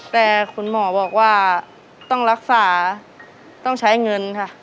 แต่คุณหมอบอกว่าต้องรักษาต้องใช้เงินค่ะ